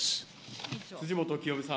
辻元清美さん。